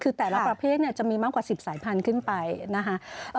คือแต่ละประเภทเนี่ยจะมีมากกว่า๑๐สายพันธุ์ขึ้นไปนะคะ